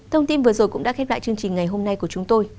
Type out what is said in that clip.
thông tin vừa rồi cũng đã khép lại chương trình ngày hôm nay của chúng tôi